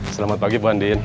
selamat pagi bu andien